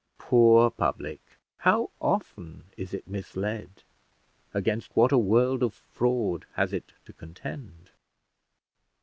Poor public! how often is it misled! against what a world of fraud has it to contend!